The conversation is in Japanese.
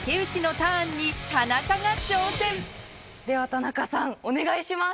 では田中さんお願いします。